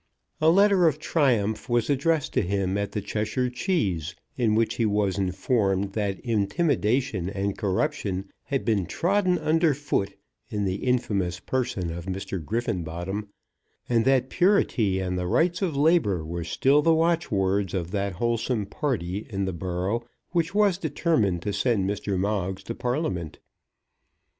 A letter of triumph was addressed to him at the Cheshire Cheese, in which he was informed that Intimidation and Corruption had been trodden under foot in the infamous person of Mr. Griffenbottom, and that Purity and the Rights of Labour were still the watchwords of that wholesome party in the borough which was determined to send Mr. Moggs to Parliament.